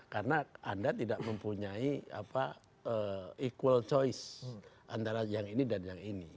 karena anda tidak mempunyai equal choice antara yang ini dan yang ini